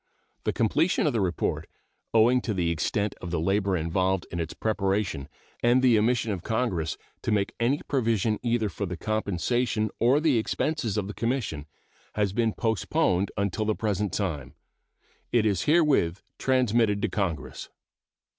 The completion of the report, owing to the extent of the labor involved in its preparation and the omission of Congress to make any provision either for the compensation or the expenses of the Commission, has been postponed until the present time. It is herewith transmitted to Congress.